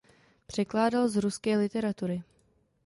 Překládal z ruské literatury.